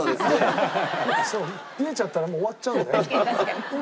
見えちゃったらもう終わっちゃうよね。